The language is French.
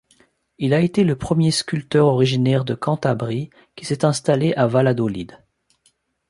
Il a été le premier sculpteur originaire de Cantabrie qui s'est installé à Valladolid.